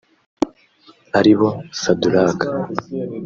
ari bo Saduraka